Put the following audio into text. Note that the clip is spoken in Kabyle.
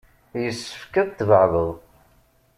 Yessefk ad tbeɛdeḍ.